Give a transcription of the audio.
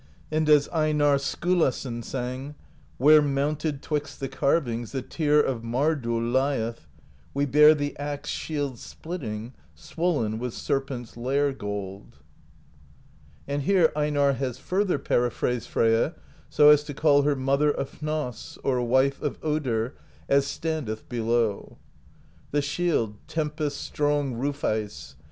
And as Einarr Skiilason sang: Where, mounted 'twixt the carvings. The Tear of Mardoll lieth, We bear the axe shield splitting. Swollen with Serpent's lair gold. And here Einarr has further periphrased Freyja so as to call her Mother of Hnoss, or Wife of Odr, as standeth below : The shield, tempest's strong roof ice.